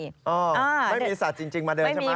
ไม่มีสัตว์จริงมาเดินใช่ไหม